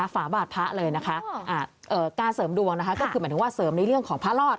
ฝาบาทพระเลยนะคะการเสริมดวงนะคะก็คือหมายถึงว่าเสริมในเรื่องของพระรอด